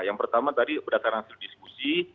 yang pertama tadi berdasarkan hasil diskusi